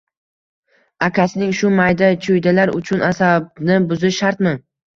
Akasining Shu mayda-chuydalar uchun asabni buzish shartmi